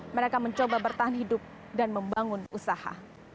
mereka mencoba bertahan hidup dan membangun usaha